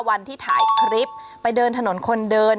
วันที่ถ่ายคลิปไปเดินถนนคนเดิน